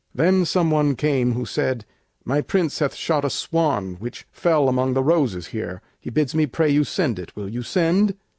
Then some one came who said, "My Prince hath shot A swan, which fell among the roses here; He bids me pray you send it. Will you send?"